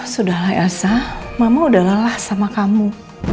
sudahlah elsa mama udah lelah sama kamu